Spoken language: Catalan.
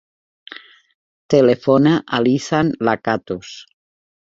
Telefona a l'Izan Lacatus.